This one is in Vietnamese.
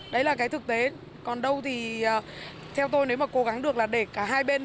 đấy là cái thực tế còn đâu thì theo tôi nếu mà cố gắng được là để cả hai bên